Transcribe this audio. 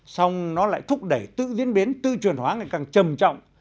xong nó lại thúc đẩy tự diễn biến tự truyền hóa ngày càng trầm trọng